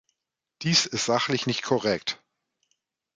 Dies ist sachlich nicht korrekt!